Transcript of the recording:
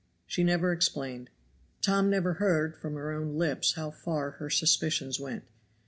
She never explained. Tom never heard from her own lips how far her suspicions went.